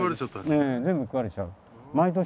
ええ全部食われちゃう毎年。